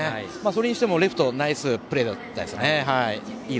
それにしてもレフトはナイスプレーでしたね。